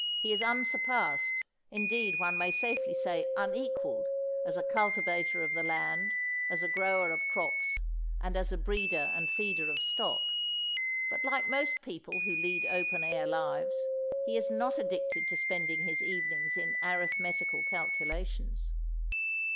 He is unsurpassed, indeed one may safely say unequalled, as a cultivator of the land, as a grower of crops, and as a breeder and feeder of stock, but like most people who lead open air lives, he is not addicted to spending his evenings in arithmetical calculations.